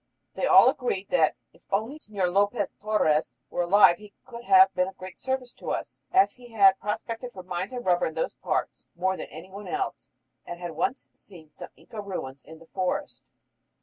They all agreed that "if only Señor Lopez Torres were alive he could have been of great service" to us, as "he had prospected for mines and rubber in those parts more than any one else, and had once seen some Inca ruins in the forest!"